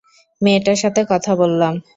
মেয়েটার সাথে কথা বললাম।